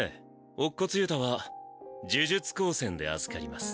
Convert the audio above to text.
乙骨憂太は呪術高専で預かります。